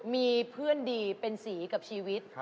มีเพื่อนดีเป็นสีกับชีวิต